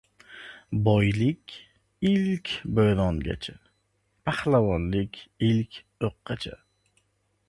• Boylik ilk bo‘rongacha, pahlavonlik ilk o‘qqacha.